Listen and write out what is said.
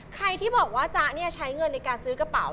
ใครที่บอกว่าจ๊ะใช้เงินในการซื้อกระเป๋า